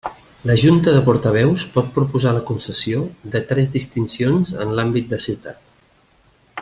La Junta de Portaveus pot proposar la concessió de tres distincions en l'àmbit de ciutat.